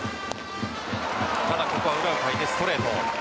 ただ、ここは裏をかいてストレート。